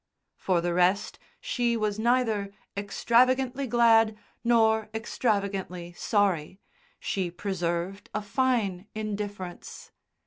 For the rest, she was neither extravagantly glad nor extravagantly sorry. She preserved a fine indifference....